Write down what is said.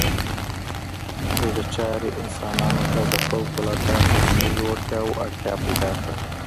دغې چارې انسانانو ته د فوقالعاده ټولنیزو وړتیاوو اړتیا پیدا کړه.